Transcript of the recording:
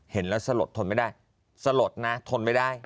เห็นแล้วสลดทนไม่ได้สลดนะทนไม่ได้